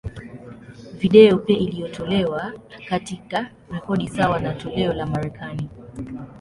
Video pia iliyotolewa, katika rekodi sawa na toleo la Marekani.